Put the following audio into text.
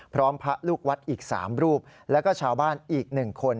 พระลูกวัดอีก๓รูปแล้วก็ชาวบ้านอีก๑คน